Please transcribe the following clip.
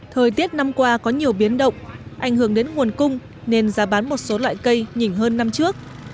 thời tiết năm qua có nhiều biến động ảnh hưởng đến nguồn cung nên giá bán một số loại cây nhỉnh hơn năm trước